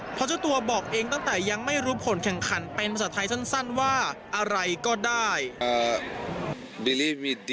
เพราะเจ้าตัวบอกเองตั้งแต่ยังไม่รู้ผลแข่งขันเป็นภาษาไทยสั้นว่าอะไรก็ได้